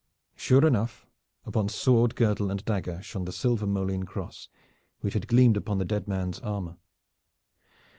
Sure enough, upon sword, girdle and dagger shone the silver Molene cross which had gleamed on the dead man's armor.